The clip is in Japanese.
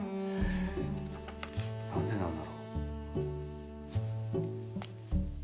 なんでなんだろう。